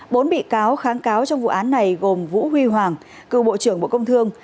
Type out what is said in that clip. bốn bị cáo kháng cáo trong vụ án này gồm vũ huy hoàng cựu bộ trưởng bộ công thương